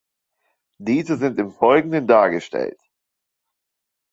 Diese sind im Folgenden dargestellt.